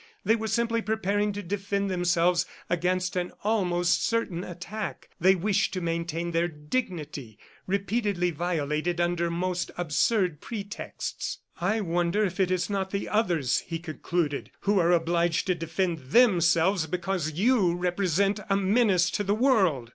They were simply preparing to defend themselves against an almost certain attack. They wished to maintain their dignity, repeatedly violated under most absurd pretexts. "I wonder if it is not the others," he concluded, "who are obliged to defend themselves because you represent a menace to the world!"